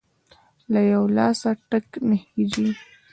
له يوه لاسه ټک نه خیژي!.